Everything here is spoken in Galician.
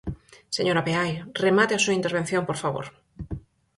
Señora Peai, remate a súa intervención, por favor.